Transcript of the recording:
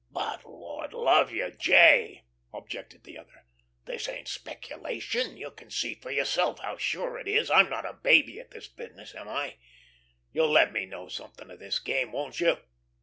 "But lord love you, J.," objected the other, "this ain't speculation. You can see for yourself how sure it is. I'm not a baby at this business, am I? You'll let me know something of this game, won't you?